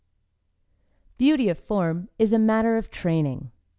Beauty of form is a matter of training.